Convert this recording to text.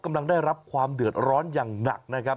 กำลังได้รับความเดือดร้อนอย่างหนักนะครับ